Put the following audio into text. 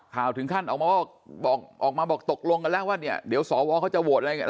ถึงขั้นออกมาบอกออกมาบอกตกลงกันแล้วว่าเนี่ยเดี๋ยวสวเขาจะโหวตอะไรอย่างนี้